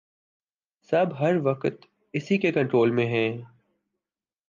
سب ہر وقت اسی کے کنٹرول میں ہیں